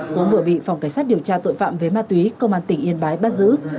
cũng vừa bị phòng cảnh sát điều tra tội phạm về ma túy công an tỉnh yên bái bắt giữ